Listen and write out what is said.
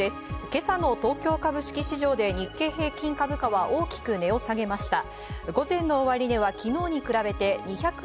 今朝の東京株式市場で日経平均株価は大きく値を下げました。